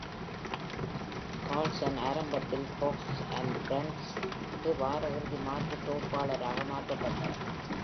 Carlsen ஆரம்பத்தில் "Fox and Friends" க்கு வார இறுதி மாற்று தொகுப்பாளராக மாற்றப்பட்டார்.